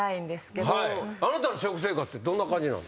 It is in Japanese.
あなたの食生活ってどんな感じなんですか？